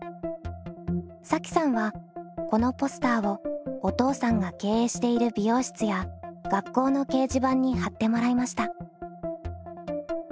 さきさんはこのポスターをお父さんが経営している美容室や学校の掲示板に貼ってもらいました。